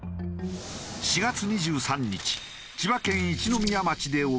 ４月２３日千葉県一宮町で起きた事故。